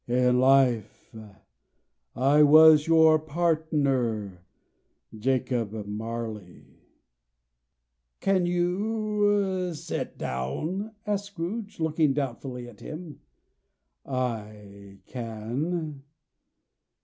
"In life I was your partner, Jacob Marley." "Can you can you sit down?" asked Scrooge, looking doubtfully at him. "I can."